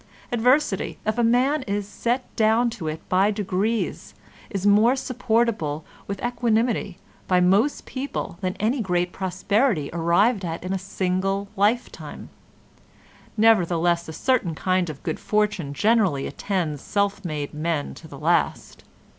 Adversity, if a man is set down to it by degrees, is more supportable with equanimity by most people than any great prosperity arrived at in a single lifetime. Nevertheless a certain kind of good fortune generally attends self made men to the last.